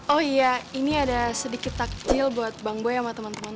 oh iya ini ada sedikit takjil buat bang boy sama teman teman